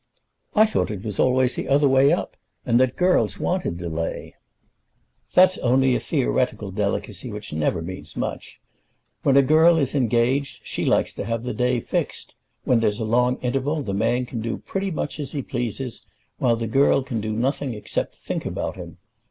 "I thought it was always the other way up, and that girls wanted delay?" "That's only a theoretical delicacy which never means much. When a girl is engaged she likes to have the day fixed. When there's a long interval the man can do pretty much as he pleases, while the girl can do nothing except think about him.